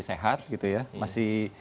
sehat gitu ya masih